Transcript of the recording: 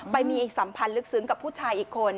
ไปมีอีกสัมพันธ์ลึกซึ้งกับผู้ชายอีกคน